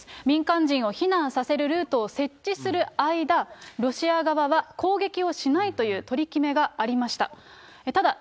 民間人を避難させるルートを設置する間、ロシア側は攻撃をしないという取り決めがありました。